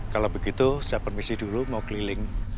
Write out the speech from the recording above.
kalau begitu saya permisi dulu mau keliling